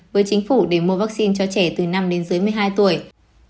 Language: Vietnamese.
với chính phủ để mua vaccine cho trẻ từ năm đến dưới một mươi hai tuổi